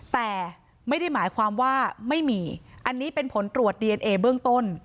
แต่ไม่ได้หมายความว่าไม่มีอันนี้เป็นผลตรวจดีเอนเอเบื้องต้น